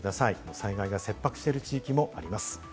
災害が切迫している地域もあります。